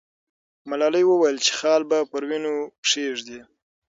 ملالۍ وویل چې خال به پر وینو کښېږدي.